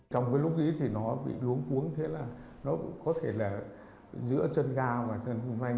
trong cái lúc ý thì nó bị đuống cuống thế là nó có thể là giữa chân ga và chân phương phanh